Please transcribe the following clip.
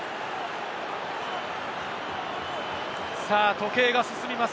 時計が進みます。